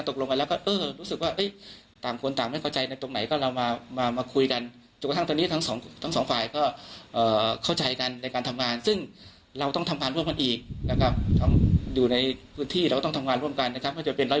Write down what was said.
ที่ไทยจะไปเวนเจ้าที่สิกเวณนะครับ